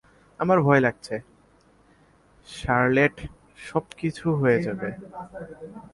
আমার ভয় লাগছে, শার্লেট - সব ঠিক হয়ে যাবে।